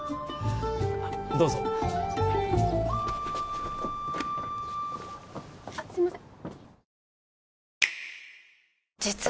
あっどうぞあっすいません